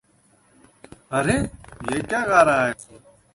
अरे... ये क्या गा रहा है सिंगर!